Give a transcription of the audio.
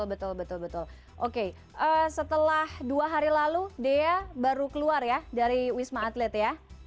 betul betul oke setelah dua hari lalu dea baru keluar ya dari wisma atlet ya